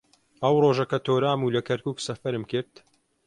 ئەو ڕۆژە کە تۆرام و لە کەرکووک سەفەرم کرد